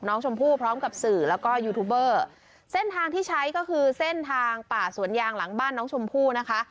น้องชมพู่พร้อมกับสื่อแล้วก็ยูทูบเบอร์เส้นทางที่ใช้ก็คือเส้นทางป่าสวนยางหลังบ้านน้องชมพู่นะคะ